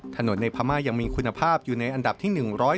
ถนนในพม่ายังมีคุณภาพอยู่ในอันดับที่๑๐